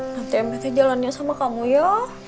nanti emetnya jalannya sama kamu ya